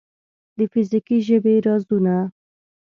د فزیکي ژبې رازونه